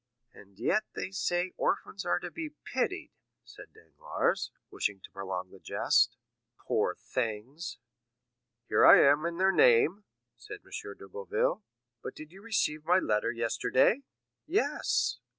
"And yet they say orphans are to be pitied," said Danglars, wishing to prolong the jest. "Poor things!" "Here I am in their name," said M. de Boville; "but did you receive my letter yesterday?" "Yes."